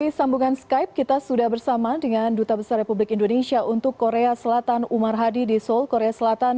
melalui sambungan skype kita sudah bersama dengan duta besar republik indonesia untuk korea selatan umar hadi di seoul korea selatan